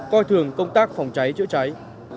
coi thường công tác phòng cháy chữa cháy